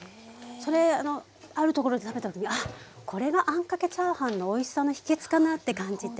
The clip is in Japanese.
それあのあるところで食べた時に「あっこれがあんかけチャーハンのおいしさの秘けつかな」って感じて。